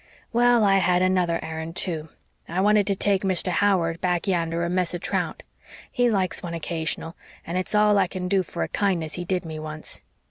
"Well, I had another errand, too I wanted to take Mr. Howard back yander a mess of trout. He likes one occasional, and it's all I can do for a kindness he did me once.